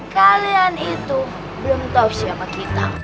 kalian itu belum tahu siapa kita